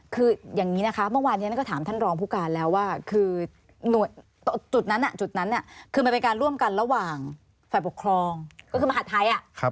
คืออย่างนี้นะคะเมื่อวานนี้ก็ถามท่านรองผู้การแล้วว่าคือจุดนั้นจุดนั้นคือมันเป็นการร่วมกันระหว่างฝ่ายปกครองก็คือมหาดไทย